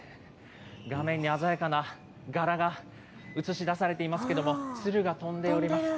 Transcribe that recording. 画面に鮮やかな柄が映し出されていますけれども、鶴が飛んでいます。